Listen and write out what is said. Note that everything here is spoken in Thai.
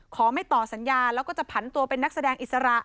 ไม่ต่อสัญญาแล้วก็จะผันตัวเป็นนักแสดงอิสระ